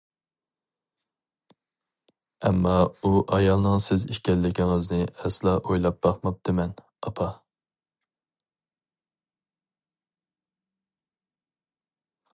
ئەمما ئۇ ئايالنىڭ سىز ئىكەنلىكىڭىزنى ئەسلا ئويلاپ باقماپتىمەن، ئاپا!